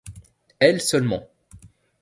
Elle seulement.